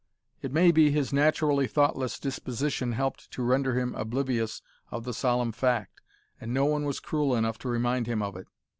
It may be, his naturally thoughtless disposition helped to render him oblivious of the solemn fact, and no one was cruel enough to remind him of it.